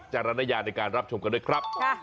ฮ่า